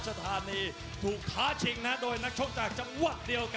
สถานีถูกท้าชิงนะโดยนักชกจากจังหวัดเดียวกัน